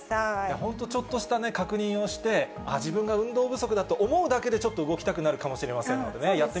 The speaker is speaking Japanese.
本当、ちょっとした確認をして、自分が運動不足だと思うだけで、ちょっと動きたくなるかもしれま